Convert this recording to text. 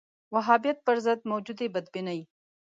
وهابیت پر ضد موجودې بدبینۍ